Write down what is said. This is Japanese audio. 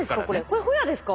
これホヤですか？